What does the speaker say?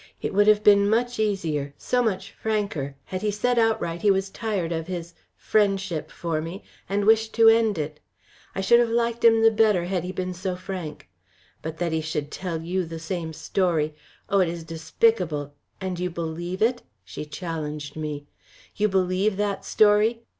It would have been much easier, so much franker, had he said outright he was tired of his friendship for me and wished an end to it. I should have liked him the better had he been so frank. But that he should tell you the same story. Oh! it is despicable and you believe it?" she challenged me. "You believe that story.